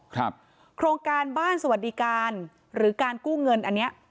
โครงการบ้านสวัสดิการหรือการกู้เงินอันเนี้ย